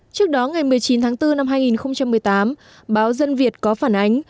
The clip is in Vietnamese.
trước đó ngày một mươi chín tháng bốn năm hai nghìn một mươi tám báo dân việt có phản ánh